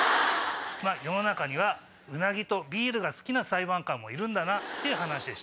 まぁ世の中にはうなぎとビールが好きな裁判官もいるんだなっていう話でした。